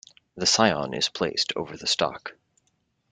The scion is placed over the stock.